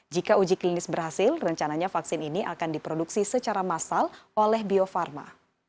jika uji klinis berhasil rencananya vaksin ini akan diproduksi secara massal oleh bio farma